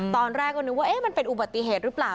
ตอนแรกก็นึกว่ามันเป็นอุบัติเหตุหรือเปล่า